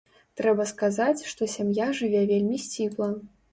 Трэба сказаць, што сям'я жыве вельмі сціпла.